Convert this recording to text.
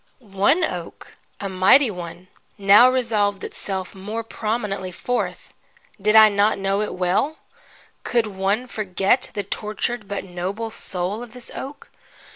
One oak, a mighty one, now resolved itself more prominently forth. Did I not know it well? Could one forget the tortured but noble soul of this oak?